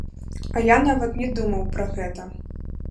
А я нават не думаў пра гэта!